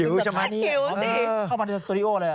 หิวใช่ไหมหิวสิเข้ามาในสตรูดิโอแล้ว